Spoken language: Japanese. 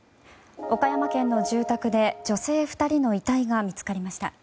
岡山県の住宅で女性２人の遺体が見つかりました。